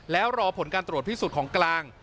แล้วรอผลการตรวจพิสูจน์ของกลาง